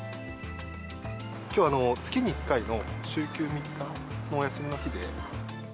きょうは、月に１回の週休３日のお休みの日で。